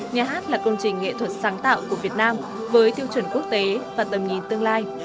nhà hát là công trình nghệ thuật sáng tạo của việt nam với tiêu chuẩn quốc tế và tầm nhìn tương lai